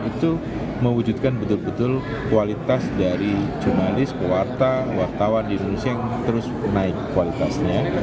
itu mewujudkan betul betul kualitas dari jurnalis warta wartawan di indonesia yang terus naik kualitasnya